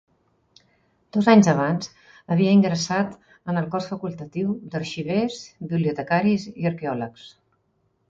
Dos anys abans havia ingressat en el Cos Facultatiu d'Arxivers, Bibliotecaris i Arqueòlegs.